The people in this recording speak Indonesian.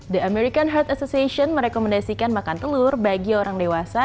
the american heart association merekomendasikan makan telur bagi orang dewasa